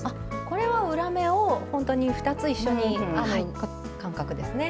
これは裏目をほんとに２つ一緒に編む感覚ですね。